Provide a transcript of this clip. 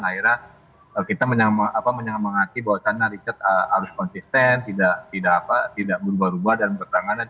akhirnya kita menyemangati bahwasannya richard harus konsisten tidak berubah ubah dan bertanganan